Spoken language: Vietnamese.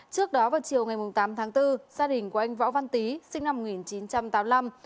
trước đó vào chiều ngày tám tháng bốn gia đình của anh võ văn tý sinh năm một nghìn chín trăm tám mươi năm